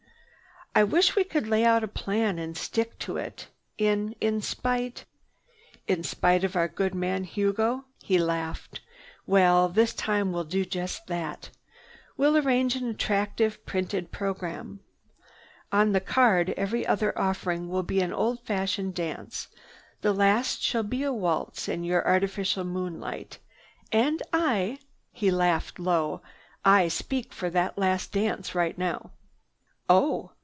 "I wish we could lay out a plan and stick to it, in—in spite—" "In spite of our good man Hugo," he laughed. "Well, this time we'll do just that. We'll arrange an attractive printed program. On the card every other offering will be an old fashioned dance. The last shall be a waltz in your artificial moonlight. And I—" he laughed low. "I speak for that last dance right now." "Oh!"